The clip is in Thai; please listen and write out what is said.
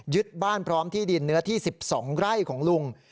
บ้านพร้อมที่ดินเนื้อที่๑๒ไร่ของลุง